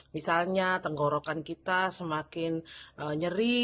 misalnya tenggorokan kita semakin nyeri